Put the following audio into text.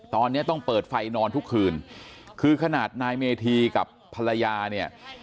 ตอนนี้ต้องเปิดไฟนอนทุกคืนคือขนาดนายเมธีกับภรรยาเนี่ย